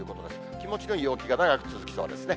気持ちのいい陽気が長く続きそうですね。